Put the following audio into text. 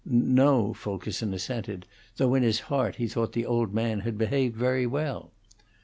"No," Fulkerson assented; though in his heart he thought the old man had behaved very well.